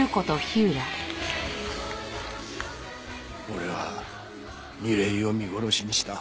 俺は楡井を見殺しにした。